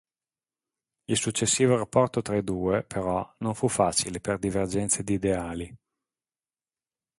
Il successivo rapporto tra i due, però, non fu facile per divergenze di ideali.